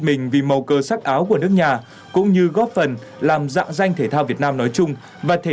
mình vì màu cơ sắc áo của nước nhà cũng như góp phần làm dạng danh thể thao việt nam nói chung và thể